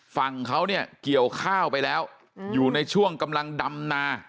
ฝั่งเขาเนี่ยเกี่ยวข้าวไปแล้วอยู่ในช่วงกำลังดำนา